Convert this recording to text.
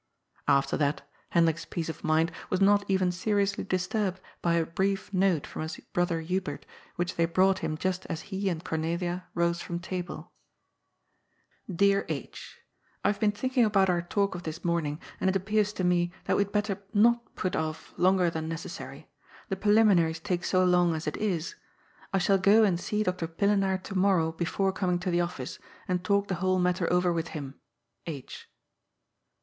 After that, Hendrik's peace of mind was not even seri ously disturbed by a brief note from his brother Hubert which they brought him just as he and Cornelia rose from table :" Deab H. : I have been thinking about our talk of this morning, and it appears to me that we had better not put off longer than necessary. The preliminaries take so long as it is. I shall go and see Dr. Pillenaar to morrow before coming to the Office and talk the whole matter over with him.— H."